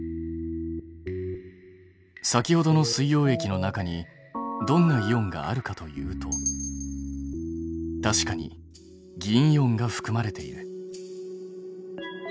先ほどの水溶液の中にどんなイオンがあるかというと確かに銀イオンがふくまれている。